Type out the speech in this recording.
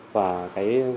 và cái sản lượng